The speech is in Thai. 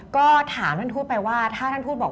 ความปลอดภัยตัวเอง